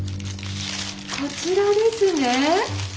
こちらですね。